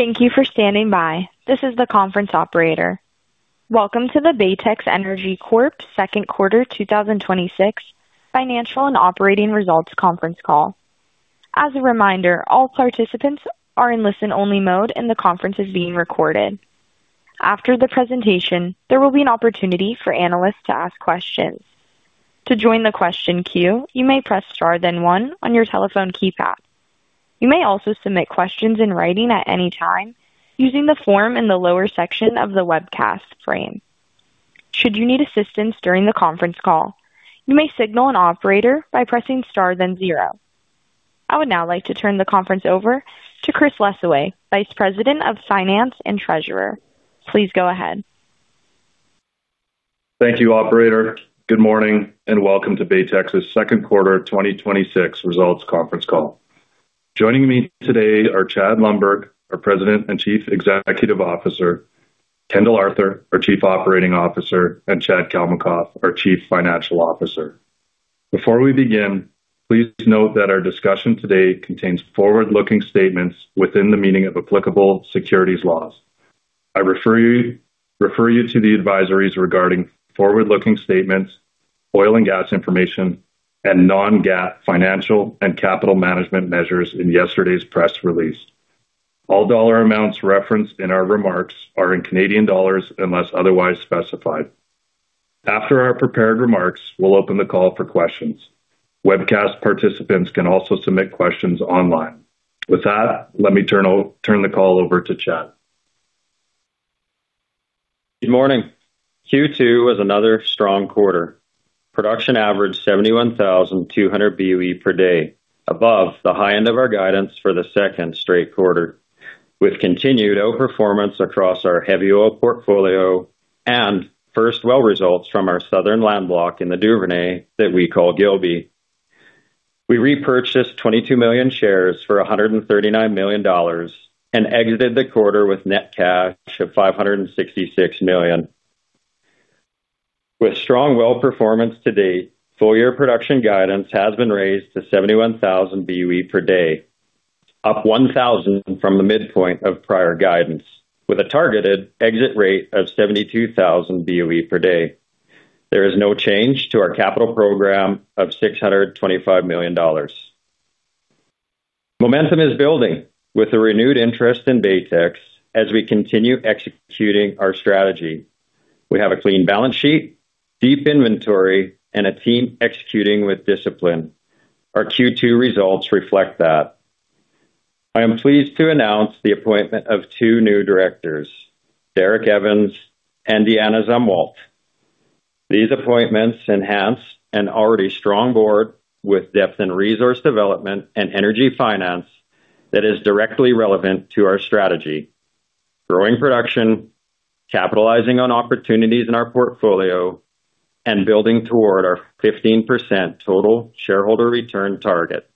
Thank you for standing by. This is the conference operator. Welcome to the Baytex Energy Corp second quarter 2026 financial and operating results conference call. As a reminder, all participants are in listen-only mode, and the conference is being recorded. After the presentation, there will be an opportunity for analysts to ask questions. To join the question queue, you may press star then one on your telephone keypad. You may also submit questions in writing at any time using the form in the lower section of the webcast frame. Should you need assistance during the conference call, you may signal an operator by pressing star then zero. I would now like to turn the conference over to Chris Lessoway, Vice President of Finance and Treasurer. Please go ahead. Thank you, operator. Good morning and welcome to Baytex's second quarter 2026 results conference call. Joining me today are Chad Lundberg, our President and Chief Executive Officer, Kendall Arthur, our Chief Operating Officer, and Chad Kalmakoff, our Chief Financial Officer. Before we begin, please note that our discussion today contains forward-looking statements within the meaning of applicable securities laws. I refer you to the advisories regarding forward-looking statements, oil and gas information, and non-GAAP financial and capital management measures in yesterday's press release. All dollar amounts referenced in our remarks are in Canadian dollars unless otherwise specified. After our prepared remarks, we'll open the call for questions. Webcast participants can also submit questions online. With that, let me turn the call over to Chad. Good morning. Q2 was another strong quarter. Production averaged 71,200 BOE per day, above the high end of our guidance for the second straight quarter. We've continued outperformance across our heavy oil portfolio and first well results from our southern land block in the Duvernay that we call Gilby. We repurchased 22 million shares for 139 million dollars and exited the quarter with net cash of 566 million. With strong well performance to date, full-year production guidance has been raised to 71,000 BOE per day, up 1,000 from the midpoint of prior guidance with a targeted exit rate of 72,000 BOE per day. There is no change to our capital program of 625 million dollars. Momentum is building with a renewed interest in Baytex as we continue executing our strategy. We have a clean balance sheet, deep inventory, and a team executing with discipline. Our Q2 results reflect that. I am pleased to announce the appointment of two new directors, Derek Evans and Deanna Zumwalt. These appointments enhance an already strong board with depth in resource development and energy finance that is directly relevant to our strategy, growing production, capitalizing on opportunities in our portfolio, and building toward our 15% total shareholder return target.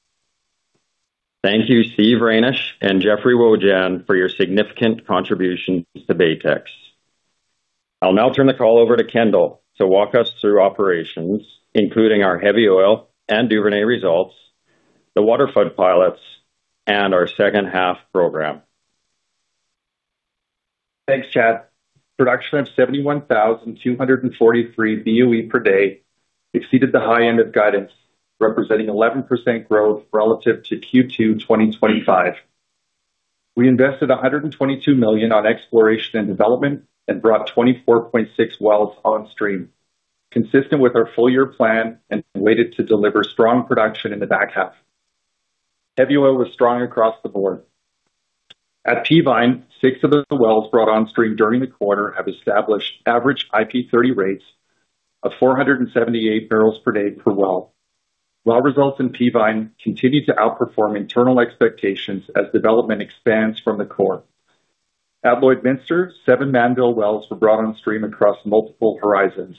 Thank you, Steve Reynish and Jeffrey Wojahn, for your significant contributions to Baytex. I'll now turn the call over to Kendall to walk us through operations, including our heavy oil and Duvernay results, the waterflood pilots, and our second-half program. Thanks, Chad. Production of 71,243 BOE per day exceeded the high end of guidance, representing 11% growth relative to Q2 2025. We invested 122 million on exploration and development and brought 24.6 wells on stream, consistent with our full-year plan and weighted to deliver strong production in the back half. Heavy oil was strong across the board. At Peavine, six of the wells brought on stream during the quarter have established average IP30 rates of 478 barrels per day per well. Well results in Peavine continue to outperform internal expectations as development expands from the core. At Lloydminster, seven Mannville wells were brought on stream across multiple horizons.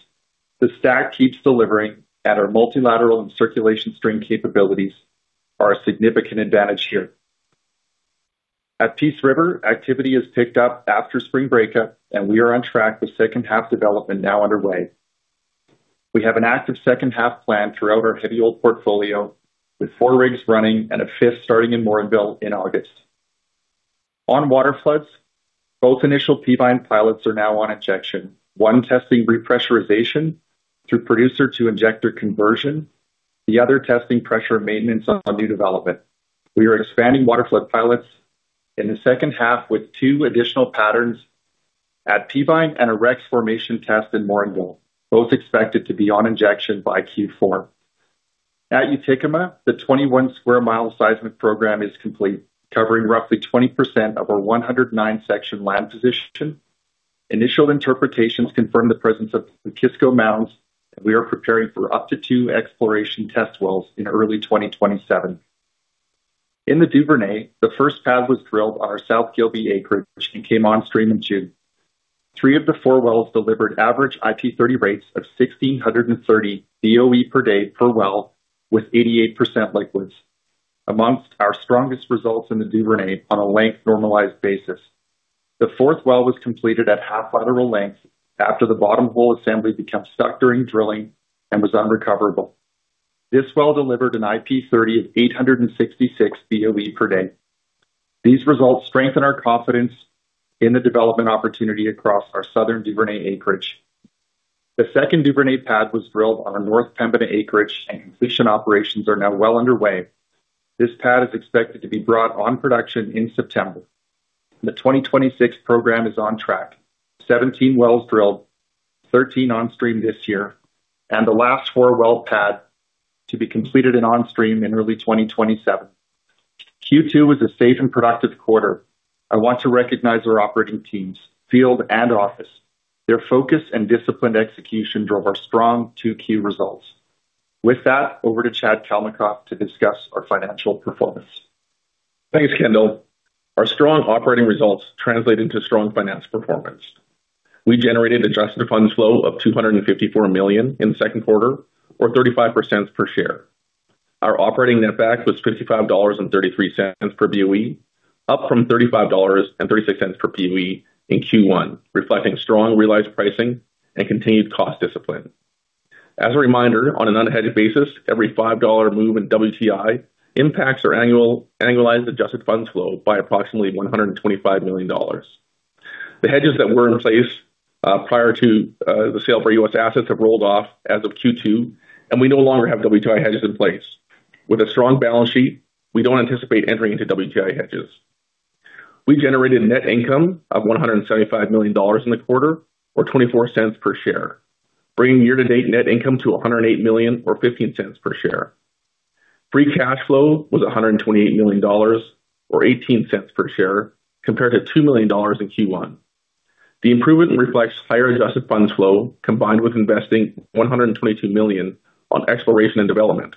The stack keeps delivering at our multilateral and circulation string capabilities are a significant advantage here. At Peace River, activity has picked up after spring breakup, we are on track with second-half development now underway. We have an active second-half plan throughout our heavy oil portfolio, with four rigs running and a fifth starting in Morinville in August. On waterfloods, both initial Peavine pilots are now on injection, one testing repressurization through producer to injector conversion, the other testing pressure maintenance on new development. We are expanding waterflood pilots in the second half with two additional patterns at Peavine and a Rex formation test in Morinville, both expected to be on injection by Q4. At Utikuma, the 21 sq mi seismic program is complete, covering roughly 20% of our 109-section land position. Initial interpretations confirm the presence of the Pekisko Mounds, and we are preparing for up to two exploration test wells in early 2027. In the Duvernay, the first pad was drilled on our south Gilby acreage and came on stream in June. Three of the four wells delivered average IP30 rates of 1,630 BOE per day per well with 88% liquids. Amongst our strongest results in the Duvernay on a length-normalized basis. The fourth well was completed at half lateral length after the bottom hole assembly became stuck during drilling and was unrecoverable. This well delivered an IP30 of 866 BOE per day. These results strengthen our confidence in the development opportunity across our Southern Duvernay acreage. The second Duvernay pad was drilled on our North Pembina acreage, and completion operations are now well underway. This pad is expected to be brought on production in September. The 2026 program is on track. 17 wells drilled, 13 on stream this year, and the last four-well pad to be completed and on stream in early 2027. Q2 was a safe and productive quarter. I want to recognize our operating teams, field and office. Their focus and disciplined execution drove our strong 2Q results. With that, over to Chad Kalmakoff to discuss our financial performance. Thanks, Kendall. Our strong operating results translate into strong finance performance. We generated adjusted funds flow of 254 million in the second quarter or 0.35 per share. Our operating net back was 55.33 dollars per BOE, up from 35.36 dollars per BOE in Q1, reflecting strong realized pricing and continued cost discipline. As a reminder, on an unhedged basis, every 5 dollar move in WTI impacts our annualized adjusted funds flow by approximately 125 million dollars. The hedges that were in place prior to the sale of our U.S. assets have rolled off as of Q2, and we no longer have WTI hedges in place. With a strong balance sheet, we don't anticipate entering into WTI hedges. We generated net income of 175 million dollars in the quarter, or 0.24 per share, bringing year-to-date net income to 108 million or 0.15 per share. Free cash flow was 128 million dollars or 0.18 per share compared to 2 million dollars in Q1. The improvement reflects higher adjusted funds flow combined with investing 122 million on exploration and development.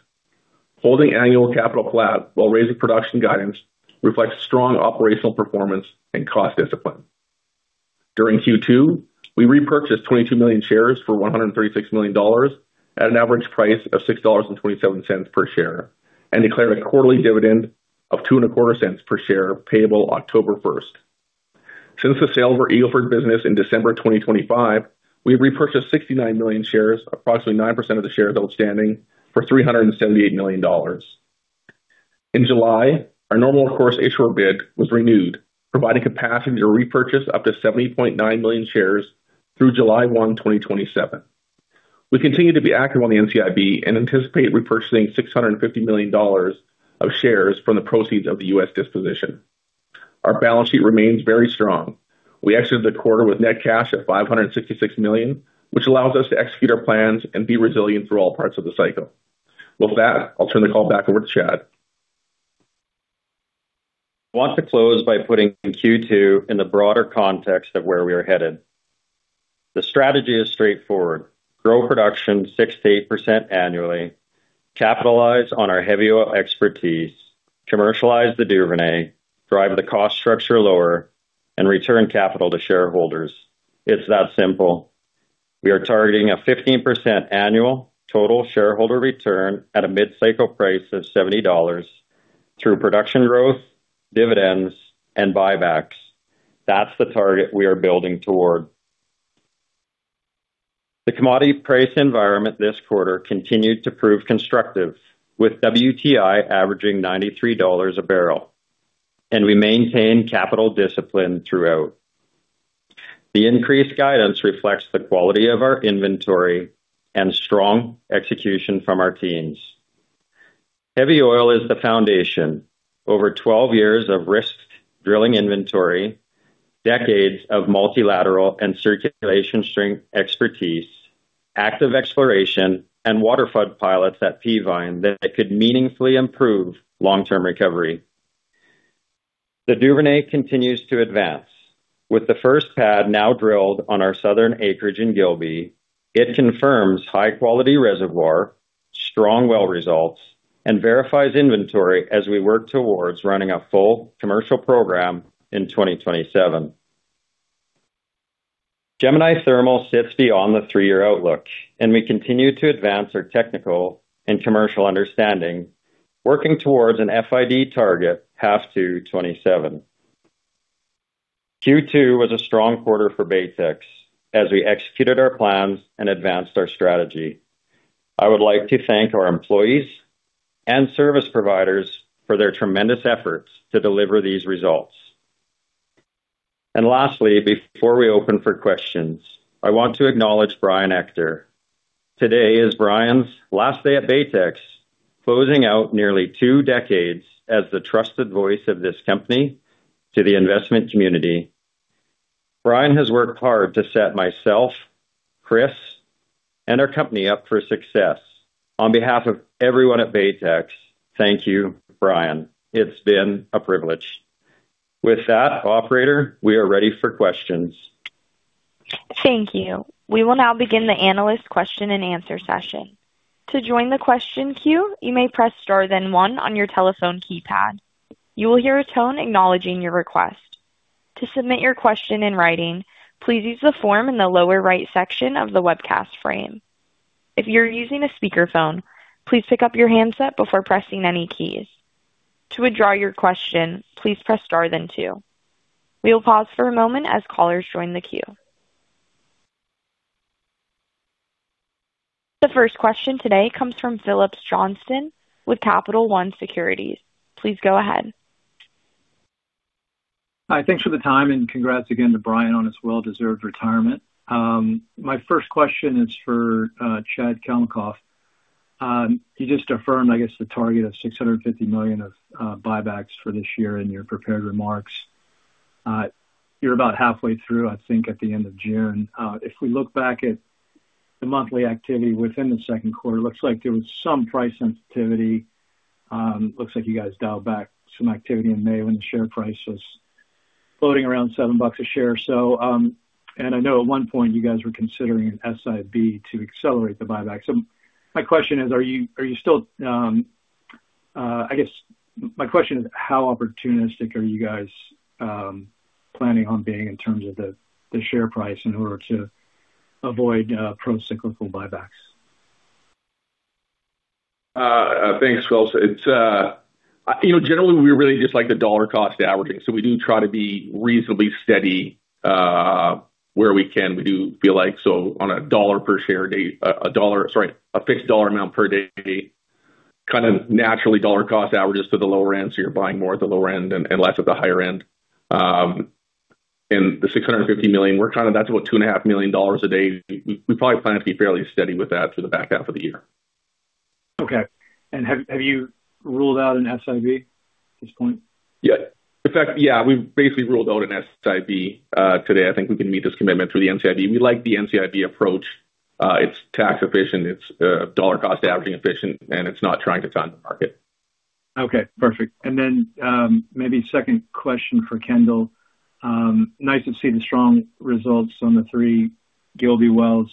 Holding annual capital flat while raising production guidance reflects strong operational performance and cost discipline. During Q2, we repurchased 22 million shares for 136 million dollars at an average price of 6.27 dollars per share, and declared a quarterly dividend of 0.0225 per share, payable October 1st. Since the sale of our Eagle Ford business in December 2025, we have repurchased 69 million shares, approximately 9% of the shares outstanding for 378 million dollars. In July, our Normal Course Issuer Bid was renewed, providing capacity to repurchase up to 70.9 million shares through July 1, 2027. We continue to be active on the NCIB and anticipate repurchasing 650 million dollars of shares from the proceeds of the U.S. disposition. Our balance sheet remains very strong. We exited the quarter with net cash of 566 million, which allows us to execute our plans and be resilient through all parts of the cycle. With that, I'll turn the call back over to Chad. I want to close by putting Q2 in the broader context of where we are headed. The strategy is straightforward. Grow production 6%-8% annually, capitalize on our heavy oil expertise, commercialize the Duvernay, drive the cost structure lower, and return capital to shareholders. It's that simple. We are targeting a 15% annual total shareholder return at a mid-cycle price of 70 dollars through production growth, dividends, and buybacks. That's the target we are building toward. The commodity price environment this quarter continued to prove constructive, with WTI averaging 93 dollars a barrel, and we maintained capital discipline throughout. The increased guidance reflects the quality of our inventory and strong execution from our teams. Heavy oil is the foundation. Over 12 years of risked drilling inventory, decades of multilateral and circulation string expertise, active exploration, and waterflood pilots at Peavine that could meaningfully improve long-term recovery. The Duvernay continues to advance. With the first pad now drilled on our southern acreage in Gilby, it confirms high-quality reservoir, strong well results, and verifies inventory as we work towards running a full commercial program in 2027. Gemini Thermal sits beyond the three-year outlook, and we continue to advance our technical and commercial understanding, working towards an FID target half 2 2027. Q2 was a strong quarter for Baytex as we executed our plans and advanced our strategy. I would like to thank our employees and service providers for their tremendous efforts to deliver these results. Lastly, before we open for questions, I want to acknowledge Brian Ector. Today is Brian's last day at Baytex, closing out nearly two decades as the trusted voice of this company to the investment community. Brian has worked hard to set myself, Chris, and our company up for success. On behalf of everyone at Baytex, thank you, Brian. It's been a privilege. With that, operator, we are ready for questions. Thank you. We will now begin the analyst question and answer session. To join the question queue, you may press star then one on your telephone keypad. You will hear a tone acknowledging your request. To submit your question in writing, please use the form in the lower right section of the webcast frame. If you're using a speakerphone, please pick up your handset before pressing any keys. To withdraw your question, please press star then two. We will pause for a moment as callers join the queue. The first question today comes from Phillips Johnston with Capital One Securities. Please go ahead. Hi. Thanks for the time. Congrats again to Brian on his well-deserved retirement. My first question is for Chad Kalmakoff. You just affirmed, I guess, the target of 650 million of buybacks for this year in your prepared remarks. You're about halfway through, I think, at the end of June. If we look back at the monthly activity within the second quarter, looks like there was some price sensitivity. Looks like you guys dialed back some activity in May when the share price was floating around 7 bucks a share. I know at one point you guys were considering an SIB to accelerate the buyback. I guess my question is, how opportunistic are you guys planning on being in terms of the share price in order to avoid pro-cyclical buybacks? Thanks, Phil. Generally, we really just like the dollar cost averaging. We do try to be reasonably steady where we can. We do feel like, on a dollar per share date, sorry, a fixed dollar amount per day, kind of naturally dollar cost averages to the lower end, so you're buying more at the lower end and less at the higher end. The 650 million, that's about 2.5 million dollars a day. We probably plan to be fairly steady with that through the back half of the year. Okay. Have you ruled out an SIB at this point? Yeah. We've basically ruled out an SIB today. I think we can meet this commitment through the NCIB. We like the NCIB approach. It's tax efficient, it's dollar cost averaging efficient, and it's not trying to time the market. Okay, perfect. Maybe second question for Kendall. Nice to see the strong results on the three Gilby wells.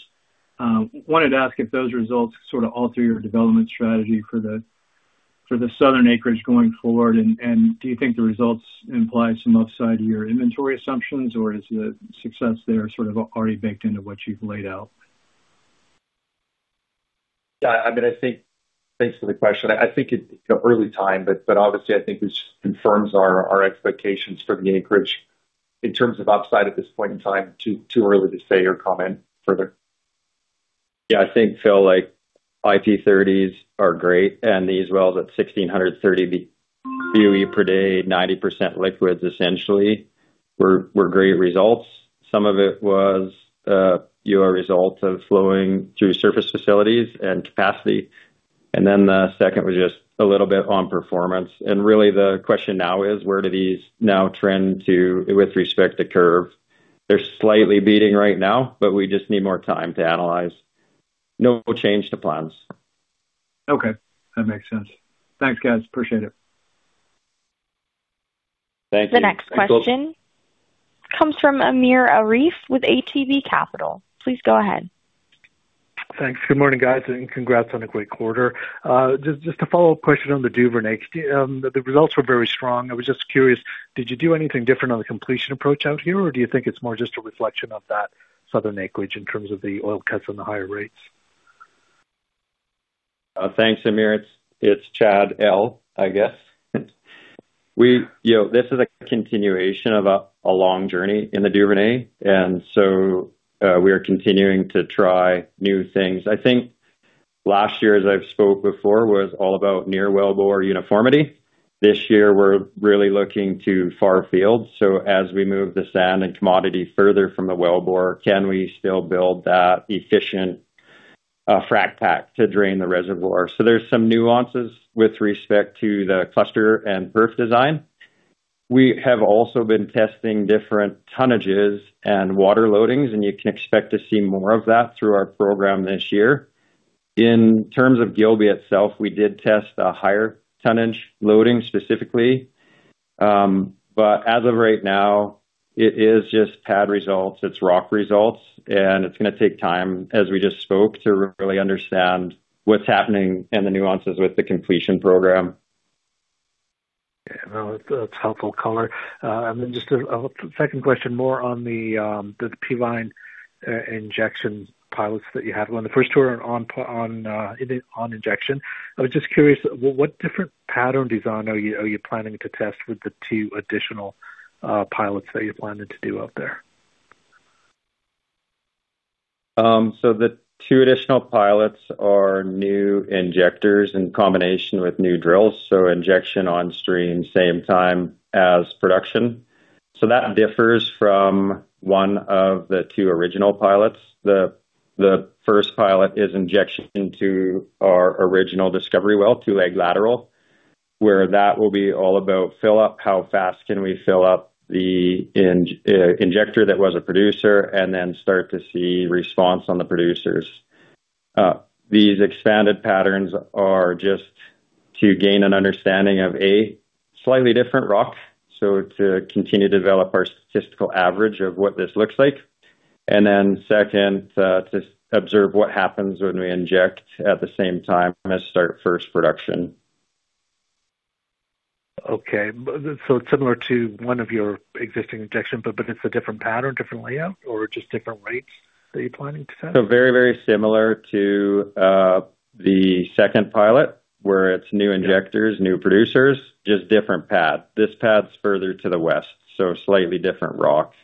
Wanted to ask if those results sort of alter your development strategy for the southern acreage going forward, and do you think the results imply some upside to your inventory assumptions or is the success there sort of already baked into what you've laid out? Yeah, thanks for the question. I think it's early time. Obviously, I think this confirms our expectations for the acreage. In terms of upside at this point in time, too early to say or comment further. Yeah, I think, Phil, IP30s are great. These wells at 1,630 BOE per day, 90% liquids essentially, were great results. Some of it was a result of flowing through surface facilities and capacity, then the second was just a little bit on performance. Really the question now is, where do these now trend to with respect to curve? They're slightly beating right now. We just need more time to analyze. No change to plans. Okay. That makes sense. Thanks, guys. Appreciate it. Thank you. The next question comes from Amir Arif with ATB Capital. Please go ahead. Thanks. Good morning, guys, congrats on a great quarter. Just a follow-up question on the Duvernay. The results were very strong. I was just curious, did you do anything different on the completion approach out here, or do you think it's more just a reflection of that southern acreage in terms of the oil cuts and the higher rates? Thanks, Amir. It's Chad L, I guess. This is a continuation of a long journey in the Duvernay, we are continuing to try new things. I think last year, as I've spoke before, was all about near wellbore uniformity. This year we're really looking to far field. As we move the sand and commodity further from the wellbore, can we still build that efficient frac pack to drain the reservoir? There's some nuances with respect to the cluster and perf design. We have also been testing different tonnages and water loadings, you can expect to see more of that through our program this year. In terms of Gilby itself, we did test a higher tonnage loading specifically. As of right now, it is just pad results, it's rock results, it's going to take time, as we just spoke, to really understand what's happening and the nuances with the completion program. Yeah, that's helpful color. Then just a second question more on the Peavine injection pilots that you have. The first two are on injection. I was just curious, what different pattern design are you planning to test with the two additional pilots that you're planning to do out there? The two additional pilots are new injectors in combination with new drills, so injection on stream same time as production. That differs from one of the two original pilots. The first pilot is injection to our original discovery well, two-leg lateral, where that will be all about fill up, how fast can we fill up the injector that was a producer, and then start to see response on the producers. These expanded patterns are just to gain an understanding of, A, slightly different rock, so to continue to develop our statistical average of what this looks like. Then second, to observe what happens when we inject at the same time as start first production. Okay. It's similar to one of your existing injection, but it's a different pattern, different layout? Just different rates that you're planning to set? Very similar to the second pilot, where it's new injectors, new producers, just different pad. This pad's further to the west, so slightly different rocks.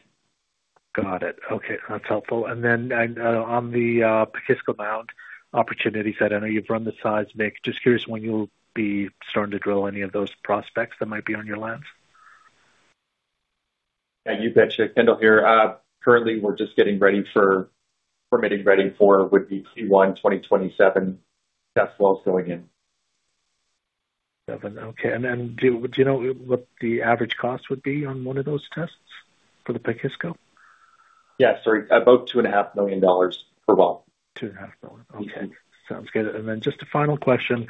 Got it. Okay. That's helpful. Then on the Pekisko Mound opportunities that I know you've run the seismic. Just curious when you'll be starting to drill any of those prospects that might be on your lens. Yeah, you betcha. Kendall here. Currently, we're just getting ready for permitting, ready for would be Q1 2027, test wells going in. Okay. Then do you know what the average cost would be on one of those tests for the Pekisko? Yeah, sorry. About 2.5 million dollars per well. 2.5 million. Okay. Sounds good. Just a final question,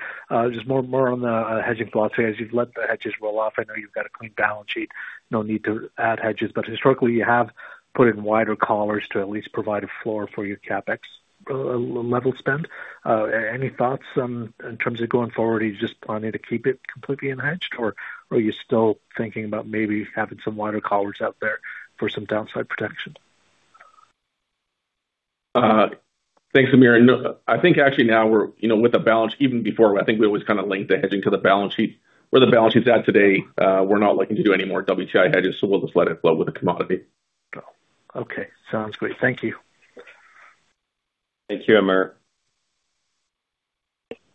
just more on the hedging philosophy. As you've let the hedges roll off, I know you've got a clean balance sheet. No need to add hedges. Historically, you have put in wider collars to at least provide a floor for your CapEx level spend. Any thoughts in terms of going forward? Are you just planning to keep it completely unhedged, or are you still thinking about maybe having some wider collars out there for some downside protection? Thanks, Amir. No, I think actually now, with the balance, even before, I think we always kind of linked the hedging to the balance sheet. Where the balance sheet's at today, we're not looking to do any more WTI hedges, so we'll just let it flow with the commodity. Oh, okay. Sounds great. Thank you. Thank you, Amir.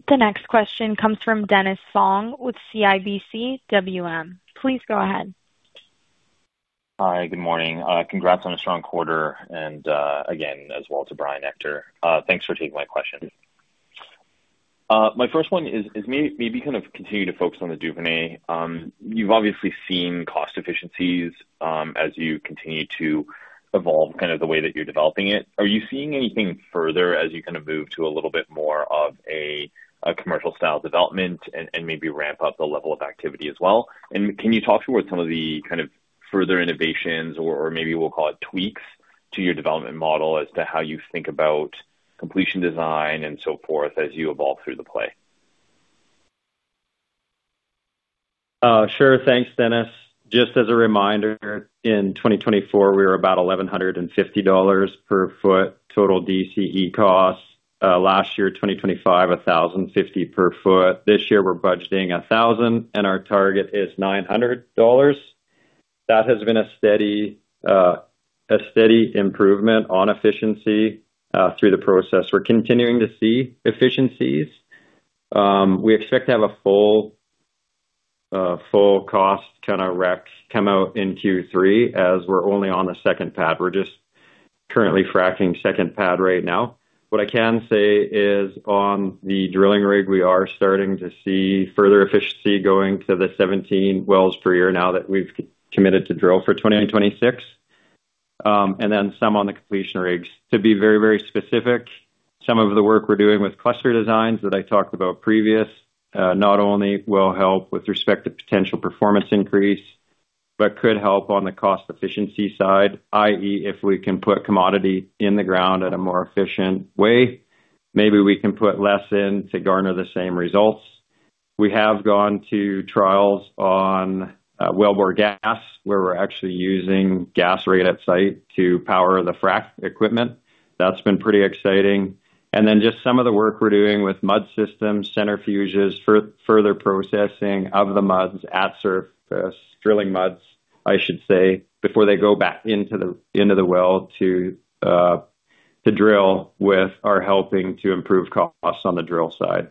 The next question comes from Dennis Fong with CIBC WM. Please go ahead. Hi. Good morning. Congrats on a strong quarter and, again, as well to Brian Ector. Thanks for taking my question. My first one is maybe kind of continue to focus on the Duvernay. You've obviously seen cost efficiencies as you continue to evolve kind of the way that you're developing it. Are you seeing anything further as you kind of move to a little bit more of a commercial style development and maybe ramp up the level of activity as well? Can you talk through what some of the kind of further innovations or maybe we'll call it tweaks to your development model as to how you think about completion design and so forth as you evolve through the play? Sure. Thanks, Dennis. Just as a reminder, in 2024, we were about 1,150 dollars per foot total DC&E cost. Last year, 2025, 1,050 per foot. This year, we're budgeting 1,000, and our target is 900 dollars. That has been a steady improvement on efficiency through the process. We're continuing to see efficiencies. We expect to have a full cost kind of rec come out in Q3, as we're only on the second pad. We're just currently fracking second pad right now. What I can say is on the drilling rig, we are starting to see further efficiency going to the 17 wells per year now that we've committed to drill for 2026. Then some on the completion rigs. To be very specific, some of the work we're doing with cluster designs that I talked about previous, not only will help with respect to potential performance increase, but could help on the cost efficiency side, i.e., if we can put commodity in the ground at a more efficient way, maybe we can put less in to garner the same results. We have gone to trials on field gas, where we're actually using gas right at site to power the frack equipment. That's been pretty exciting. Then just some of the work we're doing with mud systems, centrifuges, further processing of the muds at surface, drilling muds, I should say, before they go back into the well to drill with, are helping to improve costs on the drill side.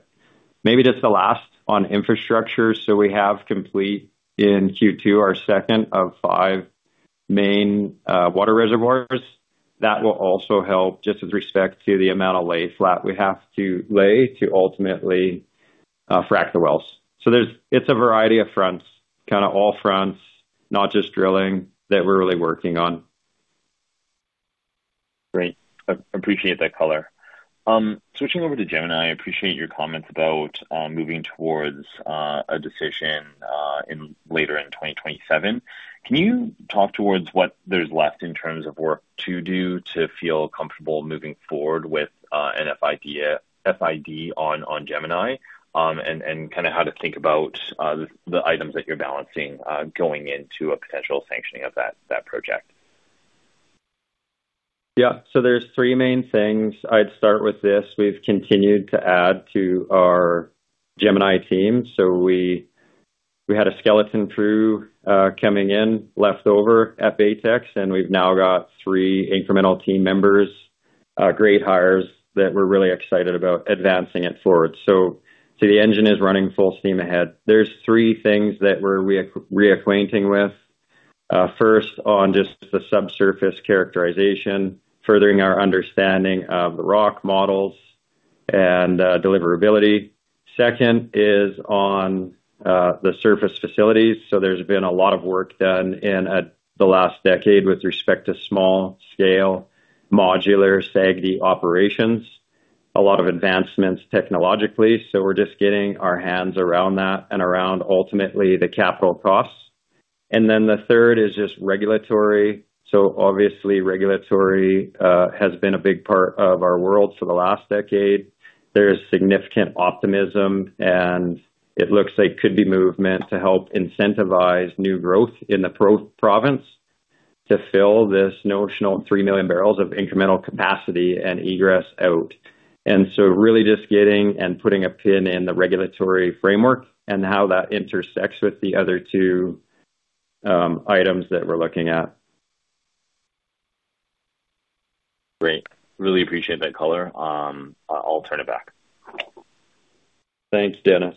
Maybe just the last on infrastructure. So we have complete in Q2 our second of five main water reservoirs. That will also help just with respect to the amount of lay flat we have to lay to ultimately frack the wells. It's a variety of fronts, kind of all fronts, not just drilling that we're really working on. Great. Appreciate that color. Switching over to Gemini, I appreciate your comments about moving towards a decision later in 2027. Can you talk towards what there's left in terms of work to do to feel comfortable moving forward with an FID on Gemini? Kind of how to think about the items that you're balancing going into a potential sanctioning of that project. There's three main things. I'd start with this. We've continued to add to our Gemini team. We had a skeleton crew coming in, left over at Baytex, and we've now got three incremental team members, great hires that we're really excited about advancing it forward. The engine is running full steam ahead. There's three things that we're reacquainting with. First, on just the subsurface characterization, furthering our understanding of the rock models and deliverability. Second is on the surface facilities. There's been a lot of work done in the last decade with respect to small scale modular SAGD operations. A lot of advancements technologically. We're just getting our hands around that and around ultimately the capital costs. The third is just regulatory. Obviously, regulatory has been a big part of our world for the last decade. There is significant optimism, and it looks like could be movement to help incentivize new growth in the province to fill this notional 3 million barrels of incremental capacity and egress out. Really just getting and putting a pin in the regulatory framework and how that intersects with the other two items that we're looking at. Great. Really appreciate that color. I'll turn it back. Thanks, Dennis.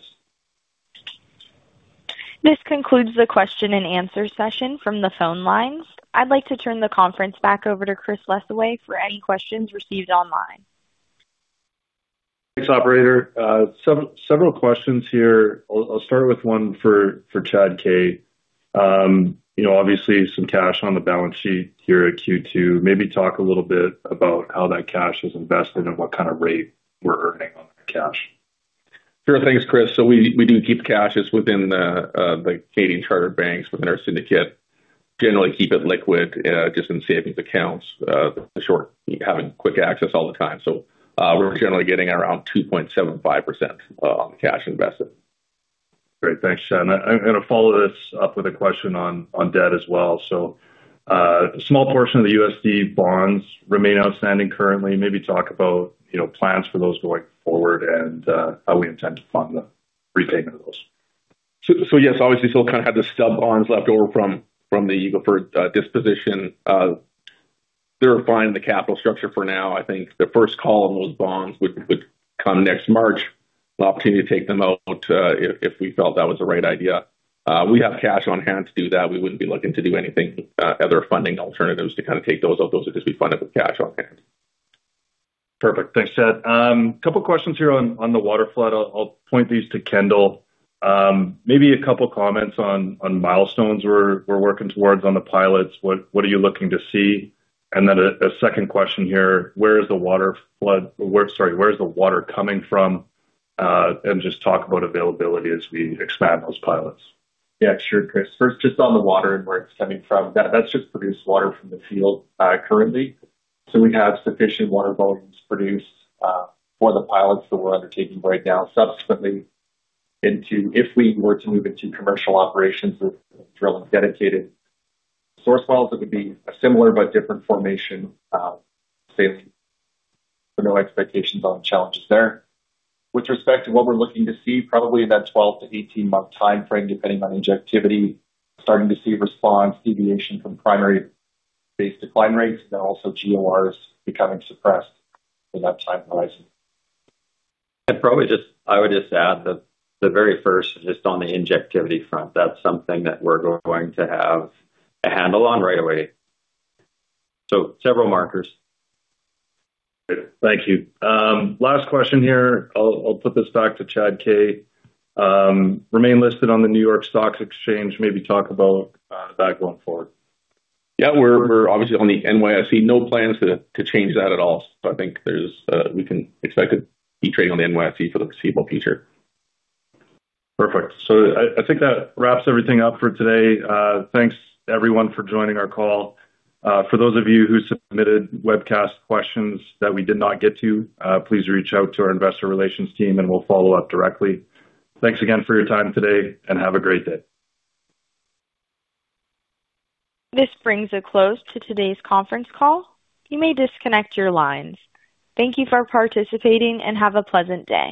This concludes the question and answer session from the phone lines. I'd like to turn the conference back over to Chris Lessoway for any questions received online. Thanks, operator. Several questions here. I'll start with one for Chad K. Obviously some cash on the balance sheet here at Q2. Maybe talk a little bit about how that cash is invested and what kind of rate we're earning on that cash. Sure. Thanks, Chris. We do keep the cash within the Canadian chartered banks within our syndicate. Generally keep it liquid, just in savings accounts, for sure. Having quick access all the time. We're generally getting around 2.75% on the cash invested. Great. Thanks, Chad. I'm going to follow this up with a question on debt as well. A small portion of the USD bonds remain outstanding currently. Maybe talk about plans for those going forward and how we intend to fund the repayment of those. Yes, obviously, still kind of have the stub bonds left over from the Eagle Ford disposition. They're refined the capital structure for now. I think the first call on those bonds would come next March. An opportunity to take them out if we felt that was the right idea. We have cash on hand to do that. We wouldn't be looking to do anything, other funding alternatives to kind of take those out. Those would just be funded with cash on hand. Perfect. Thanks, Chad. Couple questions here on the waterflood. I'll point these to Kendall. Maybe a couple comments on milestones we're working towards on the pilots. What are you looking to see? A second question here, where is the water coming from? Just talk about availability as we expand those pilots. Sure, Chris. First, just on the water and where it is coming from, that is just produced water from the field currently. We have sufficient water volumes produced for the pilots that we are undertaking right now subsequently. If we were to move into commercial operations with drilling dedicated source wells, it would be a similar but different formation safety. No expectations on challenges there. With respect to what we are looking to see, probably that 12 to 18-month timeframe, depending on injectivity, starting to see response deviation from primary base decline rates. Also GORs becoming suppressed in that time horizon. Probably I would just add that the very first, just on the injectivity front, that is something that we are going to have a handle on right away. Several markers. Good. Thank you. Last question here. I will put this back to Chad K. Remain listed on the New York Stock Exchange, maybe talk about that going forward. We are obviously on the NYSE. No plans to change that at all. I think we can expect to be trading on the NYSE for the foreseeable future. Perfect. I think that wraps everything up for today. Thanks everyone for joining our call. For those of you who submitted webcast questions that we did not get to, please reach out to our investor relations team and we'll follow up directly. Thanks again for your time today, and have a great day. This brings a close to today's conference call. You may disconnect your lines. Thank you for participating, and have a pleasant day.